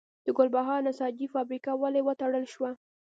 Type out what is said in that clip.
د ګلبهار نساجي فابریکه ولې وتړل شوه؟